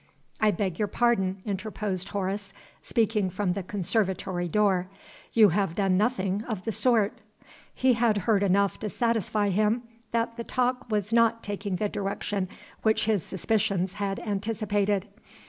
"I beg your pardon," interposed Horace, speaking from the conservatory door. "You have done nothing of the sort." (He had heard enough to satisfy him that the talk was not taking the direction which his Suspicions had anticipated.